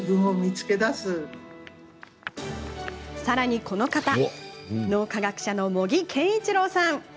さらにこの方脳科学者の茂木健一郎さん。